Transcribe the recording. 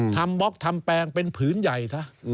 บล็อกทำแปลงเป็นผืนใหญ่ซะ